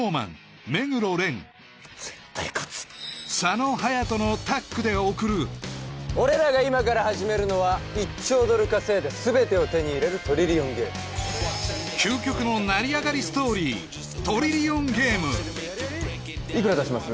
絶対勝つのタッグでおくる俺らが今から始めるのは１兆ドル稼いで全てを手に入れるトリリオンゲーム究極の成り上がりストーリー「トリリオンゲーム」・いくら出します？